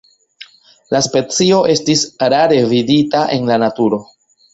La specio estis rare vidita en la naturo.